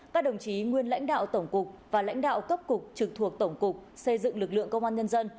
các đồng chí nguyên lãnh đạo tổng cục và lãnh đạo cấp cục trực thuộc tổng cục xây dựng lực lượng công an nhân dân